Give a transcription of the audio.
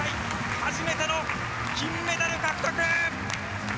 初めての金メダル獲得！